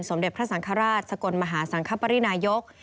สมเด็จพระสังฆราชสกลมหาสังคปรินายก